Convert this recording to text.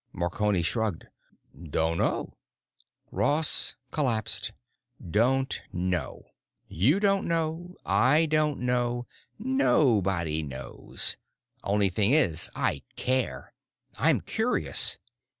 Marconi shrugged. "Dunno." Ross collapsed. "Don't know. You don't know, I don't know, nobody knows. Only thing is, I care! I'm curious.